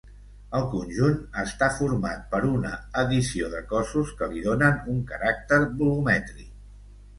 El conjunt està format per una addició de cossos que li donen un caràcter volumètric.